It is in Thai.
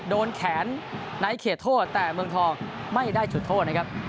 โดนแขนในเขตโทษแต่เมืองทองไม่ได้จุดโทษนะครับ